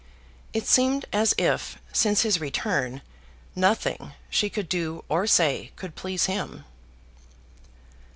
It seemed as if, since his return, nothing she could do or say could please him.